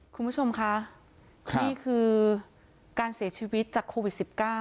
คุณผู้ชมคะนี่คือการเสียชีวิตจากโควิด๑๙